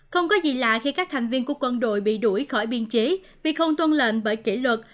không có gì lạ khi các thành viên của quân đội bị đuổi khỏi biên chế vì không tuân lệnh bởi kỷ luật